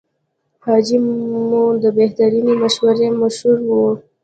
حاجي مو د بهترینې مشورې مشر و.